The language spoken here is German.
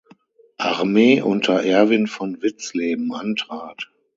Armee unter Erwin von Witzleben antrat.